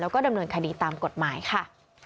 แล้วก็ดำเนินคดีตามกฎหมายค่ะ